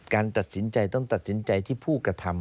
การตัดสินใจต้องตัดสินใจที่ผู้กระทำ